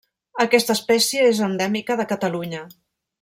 Aquesta espècie és endèmica de Catalunya.